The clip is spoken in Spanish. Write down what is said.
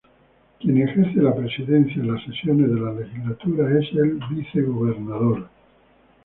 Quien ejerce la presidencia en las sesiones de la legislatura es el Vicegobernador.